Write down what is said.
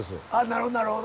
なるほどなるほど。